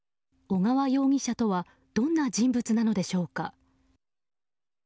小川容疑者とはどんな人物なのでしょうか。